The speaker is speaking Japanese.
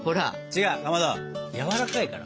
違うかまどやわらかいから。